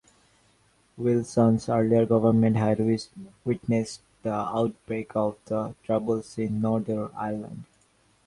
Wilson's earlier government had witnessed the outbreak of The Troubles in Northern Ireland.